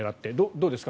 どうですか。